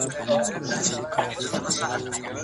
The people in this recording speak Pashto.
دلته څنګه زما پر کور بل سوی اور دی !.